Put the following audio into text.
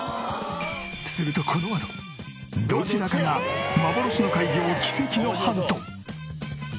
するとこのあとどちらかが幻の怪魚を奇跡のハント！